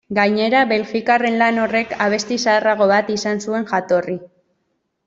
Gainera, belgikarren lan horrek abesti zaharrago bat izan zuen jatorri.